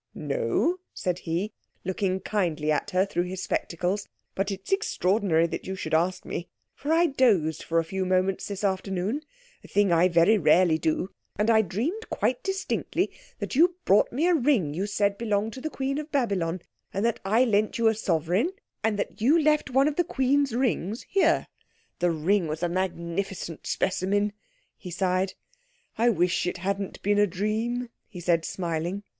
"No," said he, looking kindly at her through his spectacles. "But it's extraordinary that you should ask me, for I dozed for a few moments this afternoon, a thing I very rarely do, and I dreamed quite distinctly that you brought me a ring that you said belonged to the Queen of Babylon, and that I lent you a sovereign and that you left one of the Queen's rings here. The ring was a magnificent specimen." He sighed. "I wish it hadn't been a dream," he said smiling.